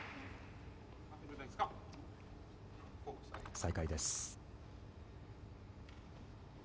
再開です。